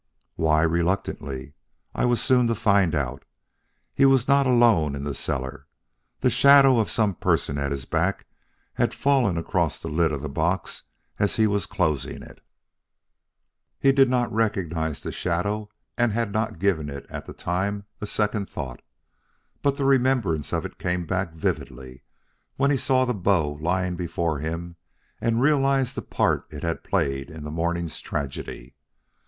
"Why reluctantly, I was soon to find out. He was not alone in the cellar. The shadow of some person at his back had fallen across the lid of the box as he was closing it. He did not recognize the shadow and had not given it at the time a second thought, but the remembrance of it came back vividly when he saw the bow lying before him and realized the part it had played in the morning's tragedy.